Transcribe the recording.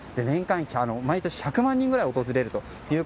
年間、毎年１００万人ぐらい訪れると。